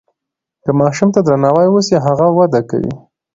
که ماشوم ته درناوی وسي هغه وده کوي.